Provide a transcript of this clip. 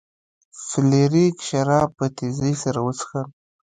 فلیریک شراب په تیزۍ سره وڅښل.